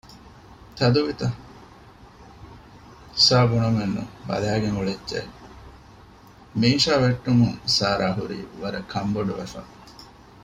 ތަދުވިތަ؟ ސާ ބުނަމެއްނު ބަލައިގެން އުޅެއްޗޭ! މީޝާ ވެއްޓުމުން ސާރާ ހުރީ ވަރަށް ކަންބޮޑުވެފަ